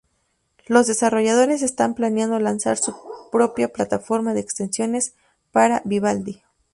Los desarrolladores están planeando lanzar su propia plataforma de extensiones para Vivaldi.